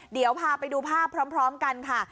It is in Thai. เดี๋ยวพาไปดูภาพพร้อมกันค่ะ